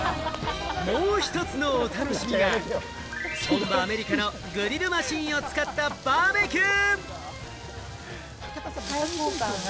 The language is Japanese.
もう一つのお楽しみが、本場アメリカのグリルマシンを使ったバーベキュー！